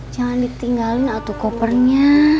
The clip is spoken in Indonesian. jangan ditinggalin atuh kopernya